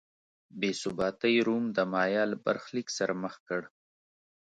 بې ثباتۍ روم د مایا له برخلیک سره مخ کړ.